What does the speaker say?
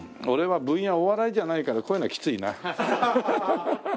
俺は分野お笑いじゃないからこういうのはキツいな。